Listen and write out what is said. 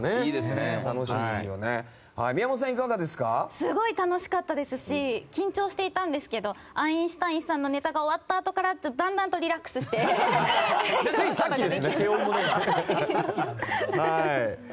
すごい楽しかったですし緊張していたんですけどアインシュタインさんのネタが終わったあとからついさっきですね。